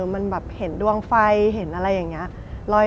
มันแบบเห็นดวงไฟเห็นอะไรอย่างนี้